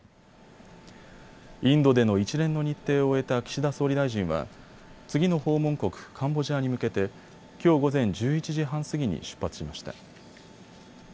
インドでの一連の日程を終えた岸田総理大臣は次の訪問国、カンボジアに向けてきょう午前１１時半過ぎに出発しました。